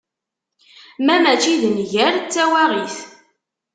Ma mačči d nnger, d tawaɣit.